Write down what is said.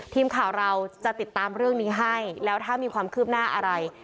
ทีมข่าวเราจะติดตามเรื่องนี้ให้แล้วถ้ามีความคืบหน้าอะไร